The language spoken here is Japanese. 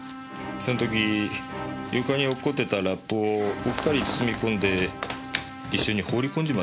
そん時床に落っこってたラップをうっかり包み込んで一緒に放り込んじまったんだよ。